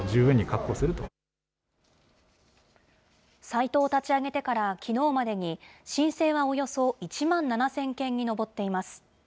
サイトを立ち上げてから、きのうまでに、申請はおよそ１万７０００件に上っています。